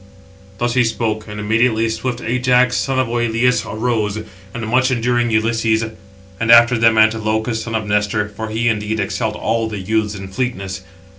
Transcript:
Thus he spoke; and immediately swift Ajax, son of Oïleus, arose, and much enduring Ulysses; and after them Antilochus, son of Nestor; for he, indeed, excelled all the youths in fleetness.